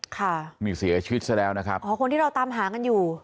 ค่ะนี่เสียชีวิตซะแล้วนะครับอ๋อคนที่เราตามหากันอยู่